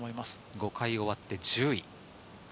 ５回終わって１０位。